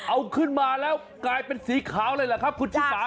เอาขึ้นมาแล้วกลายเป็นสีขาวเลยล่ะครับขุดที่ป่าครับ